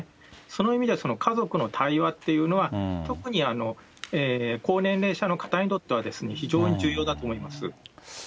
その意味では家族の対話っていうのは、特に高年齢者の方にとっては非常に重要だと思います。